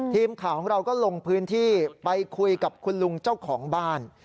ทีมข่าวของเราก็ลงพื้นที่ไปคุยกับคุณลุงเจ้าของบ้าน